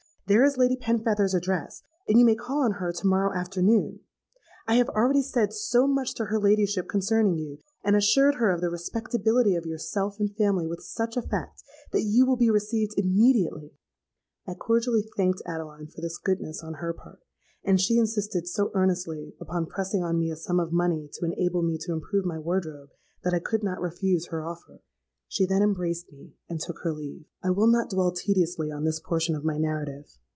There is Lady Penfeather's address; and you may call on her to morrow afternoon. I have already said so much to her ladyship concerning you, and assured her of the respectability of yourself and family with such effect, that you will be received immediately.'—I cordially thanked Adeline for this goodness on her part; and she insisted so earnestly upon pressing on me a sum of money to enable me to improve my wardrobe, that I could not refuse her offer. She then embraced me, and took her leave. "I will not dwell tediously on this portion of my narrative.